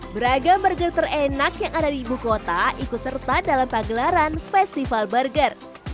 beragam burger terenak yang ada di ibu kota ikut serta dalam pagelaran festival burger